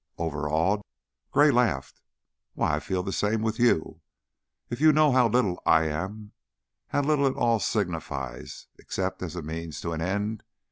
"Overawed?" Gray laughed. "Why, I feel the same with you. If you knew how little I am, how little it all signifies, except as a means to an end.